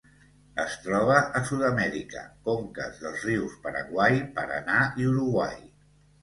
Es troba a Sud-amèrica: conques dels rius Paraguai, Paranà i Uruguai.